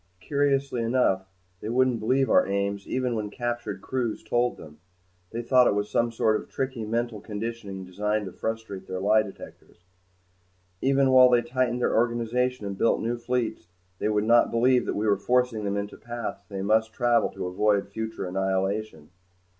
Curiously enough, they wouldn't believe our aims even when captured crews told them. They thought it was some sort of tricky mental conditioning designed to frustrate their lie detectors. Even while they tightened their organization and built new fleets, they would not believe that we were forcing them into the paths they must travel to avoid future annihilation.